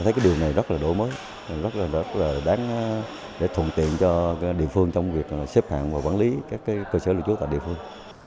thấy cái điều này rất là đổi mới rất là đáng để thuận tiện cho địa phương trong việc xếp hạng và quản lý các cơ sở lưu trú tại địa phương